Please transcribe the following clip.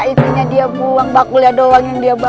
intinya dia buang bakulnya doang yang dia bawa